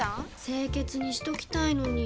清潔にしときたいのに！